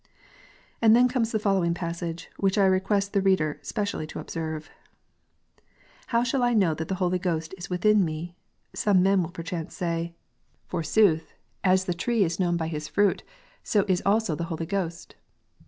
" And then comes the following passage, which I request the reader specially to observe :" How shall I know that the Holy Ghost is within me 1 some men perchance will say : Forsooth, PKAYEK BOOK STATEMENTS I KEGENEKATION. 151 as the tree is known by his fruit, so is also the Holy Ghost.